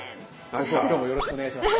国王今日もよろしくお願いします。